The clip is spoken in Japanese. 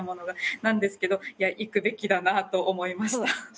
なんですけど行くべきだなと思いました。